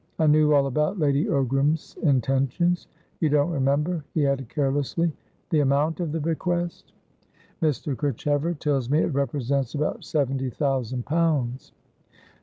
"I knew all about Lady Ogram's intentions. You don't remember," he added carelessly, "the amount of the bequest?" "Mr. Kerchever tells me it represents about seventy thousand pounds."